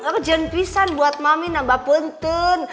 urgen pisan buat mami nambah punten